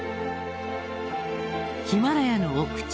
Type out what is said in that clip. ヒマラヤの奥地